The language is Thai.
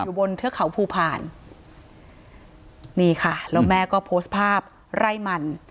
บนเทือกเขาภูผ่านนี่ค่ะแล้วแม่ก็โพสต์ภาพไร่มัน